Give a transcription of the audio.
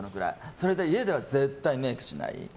それで家では絶対メイクしない。